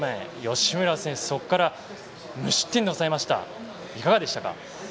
吉村選手、そこから無失点でいかがでしたか？